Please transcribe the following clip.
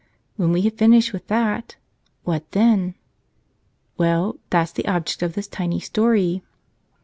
When we have finished with that, what then? Well, that's the object of this tiny story.